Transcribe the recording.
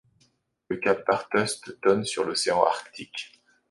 Le cap Bathurst donne sur l'océan Arctique.